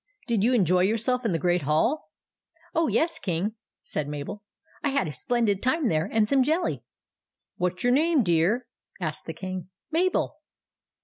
Did you enjoy yourself in the Great Hall ?"" Oh, yes, King," said Mabel. " I had a splendid time there, and some jelly." " What 's your name, my dear ?" asked the King. Mabel."